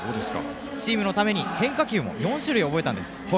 チームのために変化球を４種類覚えたんです。